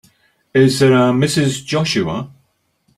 Is there a Mrs. Joshua?